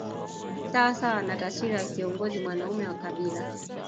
Sawa sawa na taswira ya kiongozi mwanaume wa kabila